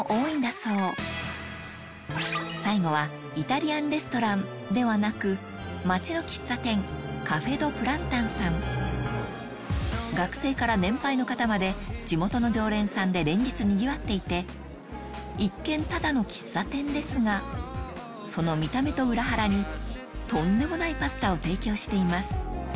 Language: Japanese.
そう最後はイタリアンレストランではなく街の喫茶店カフェ・ド・プランタンさん学生から年配の方まで地元の常連さんで連日にぎわっていて一見ただの喫茶店ですがその見た目と裏腹にとんでもないパスタを提供しています